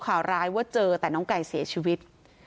ข่าวร้ายว่าเจอแต่น้องไก่เสียชีวิต